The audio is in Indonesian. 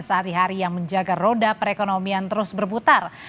sehari hari yang menjaga roda perekonomian terus berputar